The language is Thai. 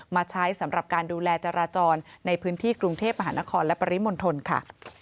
มาใช้สำหรับการดูแลจราจรในพื้นที่กรุงเทพมหานครและปริมณฑลค่ะ